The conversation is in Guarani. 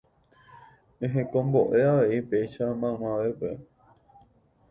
Ehekombo'e avei péicha maymavépe